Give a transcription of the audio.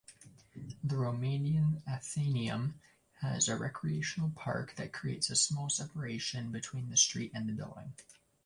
The Romanian Athenaeum has a recreational park that creates a small separation between the street and the building.